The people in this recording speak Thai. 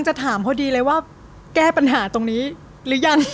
จะถามพอดีเลยว่าแก้ปัญหาตรงนี้หรือยัง